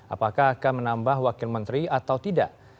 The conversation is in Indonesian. apakah akan menambah wakil menteri atau tidak